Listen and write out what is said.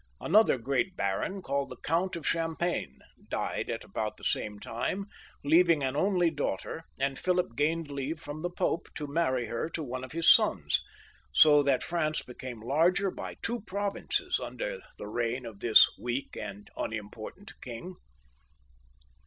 Another great baron called the Count of Champagne died at about the same time, leaving an only daughter ; and Philip gained leave from the Pope to marry her to one of his sons, so that France became larger by two provinces under the reign of this weak and unimportant king.